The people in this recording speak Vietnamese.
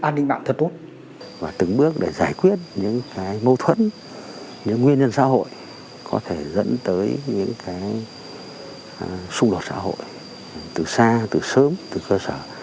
những cái xung đột xã hội từ xa từ sớm từ cơ sở